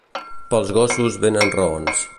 Pels gossos venen raons.